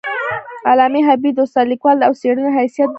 علامه حبیبي د استاد، لیکوال او څیړونکي حیثیت درلود.